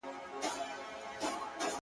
چي شال يې لوند سي د شړۍ مهتاجه سينه.